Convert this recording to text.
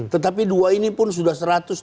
tetapi dua ini pun sudah